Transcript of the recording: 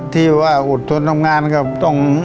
ที่ว่าอดทนทำงานก็ต้อง